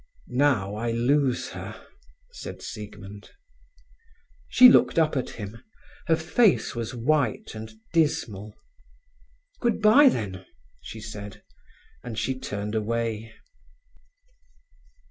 "Now I lose her," said Siegmund. She looked up at him; her face was white and dismal. "Good bye, then!" she said, and she turned away.